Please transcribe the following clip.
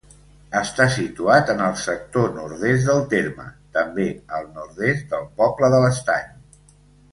Està situat en el sector nord-est del terme, també al nord-est del poble de l'Estany.